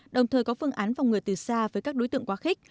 đồng thời có phương án phòng ngừa từ xa với các đối tượng quá khích